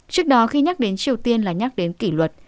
trước đó khi nhắc đến triều tiên là nhắc đến kỷ luật